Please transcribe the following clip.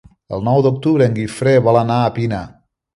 El nou d'octubre en Guifré vol anar a Pina.